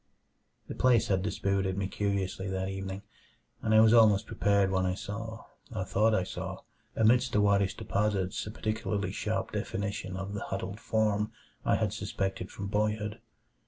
The place had dispirited me curiously that evening, and I was almost prepared when I saw or thought I saw amidst the whitish deposits a particularly sharp definition of the "huddled form" I had suspected from boyhood.